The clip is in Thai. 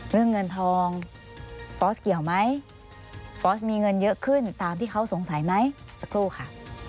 เรื่องเงินทองฟอสเกี่ยวไหมฟอสมีเงินเยอะขึ้นตามที่เขาสงสัยไหมสักครู่ค่ะ